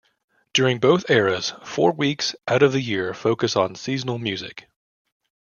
During both eras, four weeks out of the year focus on seasonal music.